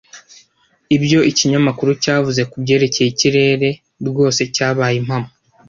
Ibyo ikinyamakuru cyavuze kubyerekeye ikirere rwose cyabaye impamo.